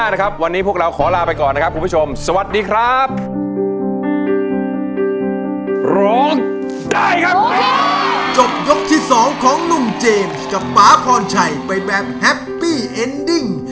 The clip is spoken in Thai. ยกที่๒ของหนุ่มเจมส์กับป๊าพรชัยไปแบบแฮปปี้เอ็นดิ้ง